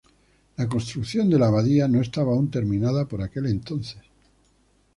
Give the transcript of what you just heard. La construcción de la abadía no estaba aún terminada por aquel entonces.